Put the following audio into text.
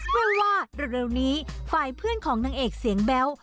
ไม่ว่าเร็วนี้ฝ่ายเพื่อนของนางเอกเสียงแบ๊ว